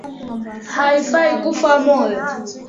Haifai kufa moyo